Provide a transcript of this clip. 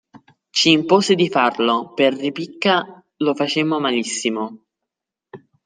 Ci impose di farlo, per ripicca lo facemmo malissimo.